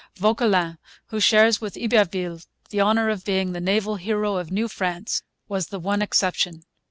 Vauquelin, who shares with Iberville the honour of being the naval hero of New France, was the one exception.